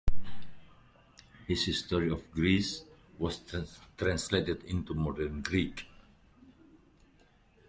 His "History of Greece" was translated into modern Greek.